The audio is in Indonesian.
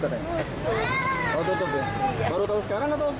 baru tahu sekarang atau